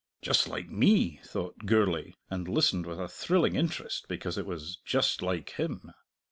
"Just like me!" thought Gourlay, and listened with a thrilling interest because it was "just like him."